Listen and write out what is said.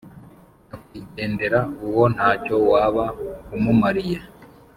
Nyakwigendera uwo nta cyo waba umumariye,